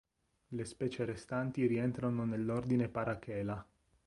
Le specie restanti rientrano nell'ordine Parachaela.